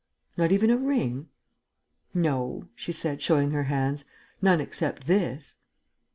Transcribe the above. "Not even a ring?" "No," she said, showing her hands, "none except this."